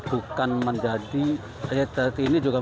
bukan menjadi ini juga merupakan program dari pihak pemerintah daerah